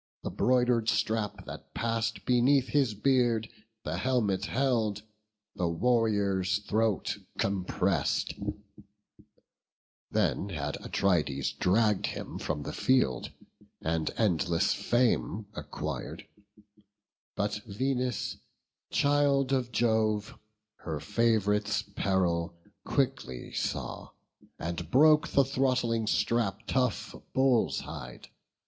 The broider'd strap, that, pass'd beneath his beard, The helmet held, the warrior's throat compress'd: Then had Atrides dragg'd him from the field, And endless fame acquir'd; but Venus, child Of Jove, her fav'rite's peril quickly saw. And broke the throttling strap of tough bull's hide.